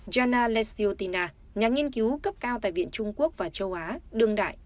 jana lesiotina nhà nghiên cứu cấp cao tại viện trung quốc và châu á đương đại